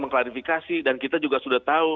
mengklarifikasi dan kita juga sudah tahu